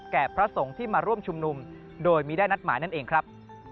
พระสงฆ์ที่มาร่วมชุมนุมโดยไม่ได้นัดหมายนั่นเองครับ